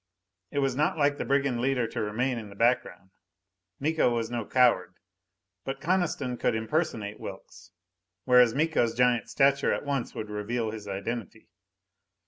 It was not like the brigand leader to remain in the background. Miko was no coward. But Coniston could impersonate Wilks, whereas Miko's giant stature at once would reveal his identity.